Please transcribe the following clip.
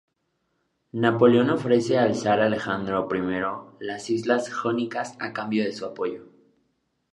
Napoleón ofrece al Zar Alejandro I las islas Jónicas a cambio de su apoyo.